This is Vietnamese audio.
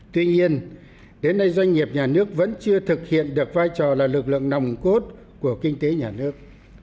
tuy nhiên đến nay doanh nghiệp nhà nước vẫn chưa thực hiện được vai trò là lực lượng nòng cốt của kinh tế nhà nước